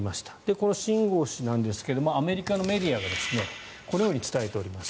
この秦剛氏なんですがアメリカのメディアがこのように伝えております。